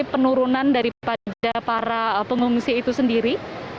jadi penurunan daripada para pengungsi itu sendiri